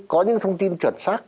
có những thông tin chuẩn xác